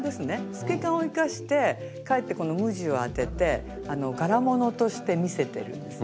透け感を生かしてかえってこの無地をあてて柄物として見せてるんですね。